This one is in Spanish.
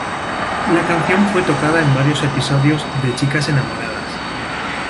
La canción fue tocada en varios episodios de Chicas enamoradas.